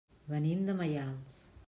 Venim de Maials.